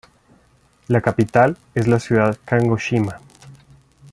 La capital es la ciudad de Kagoshima.